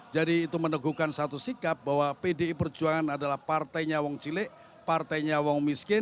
jadi itu meneguhkan satu sikap bahwa pdi perjuangan adalah partainya wong cilek partainya wong cilek